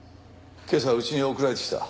今朝うちに送られてきた。